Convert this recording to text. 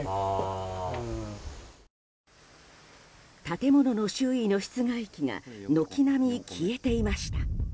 建物の周囲の室外機が軒並み消えていました。